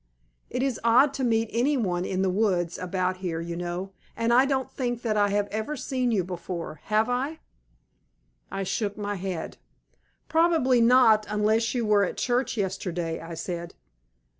It is odd to meet any one in the woods about here, you know; and I don't think that I have ever seen you before, have I?" I shook my head. "Probably not; unless you were at church yesterday," I said.